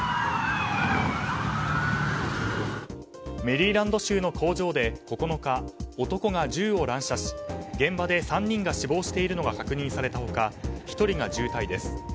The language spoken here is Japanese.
メリーランド州の工場で９日男が銃を乱射し現場で３人が死亡しているのが確認された他１人が重体です。